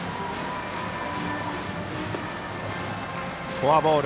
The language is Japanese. フォアボール。